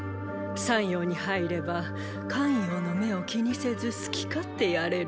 山陽に入れば咸陽の目を気にせず好き勝手やれる。